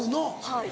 はい。